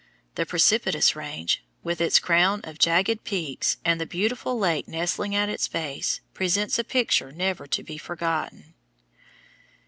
The precipitous range, with its crown of jagged peaks and the beautiful lake nestling at its base, presents a picture never to be forgotten.